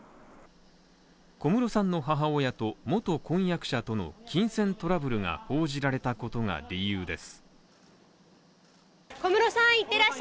小室さんの母親と元婚約者との金銭トラブルが報じられたことが理由です。